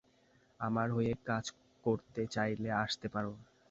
আমার হয়ে কাজ করতে চাইলে আসতে পারো।